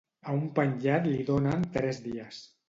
A un penjat li donen tres dies.